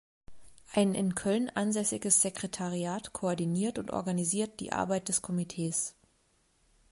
Ein in Köln ansässiges Sekretariat koordiniert und organisiert die Arbeit des Komitees.